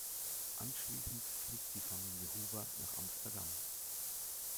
Anschliessend fliegt die Familie Huber nach Amsterdam.